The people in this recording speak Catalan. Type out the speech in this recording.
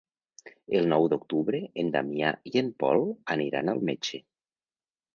El nou d'octubre en Damià i en Pol aniran al metge.